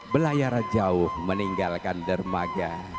belayar jauh meninggalkan dermaga